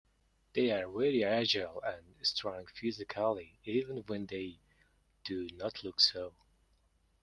They are very agile and strong physically, even when they do not look so.